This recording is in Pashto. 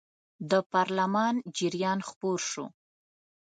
د پارلمان جریان خپور شو.